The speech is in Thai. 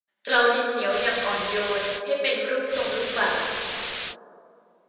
เกลาดินเหนียวอย่างอ่อนโยนให้เป็นรูปทรงลูกบาศก์